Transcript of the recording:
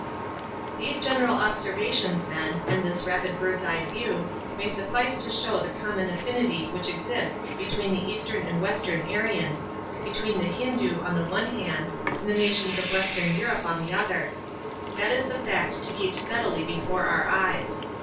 These general observations, then, and this rapid bird's eye view, may suffice to show the common affinity which exists between the Eastern and Western Aryans; between the Hindoo on the one hand, and the nations of Western Europe on the other. That is the fact to keep steadily before our eyes.